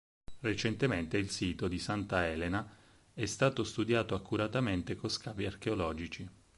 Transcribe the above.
Recentemente il sito di Santa Elena è stato studiato accuratamente con scavi archeologici.